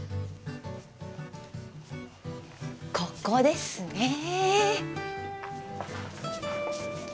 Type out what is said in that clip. ここですね。